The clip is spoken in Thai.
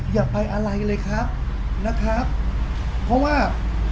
อย่าไปอะไรเลยครับนะครับเพราะว่า